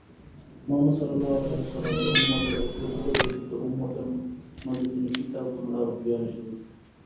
মুহাম্মদ সাল্লালাহু আলাহি ওয়াসাল্লামের উম্মতের এক বুযুর্গ ব্যক্তিত্ব উম্মতের মাঝে তিনি কিতাবুল্লাহর জ্ঞানে সুবিজ্ঞ।